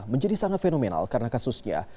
menjadi sangat fenomenal karena kasusnya